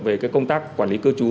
về cái công tác quản lý cư trú